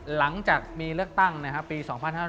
หลังจากมีเลือกตั้งปี๒๕๕๙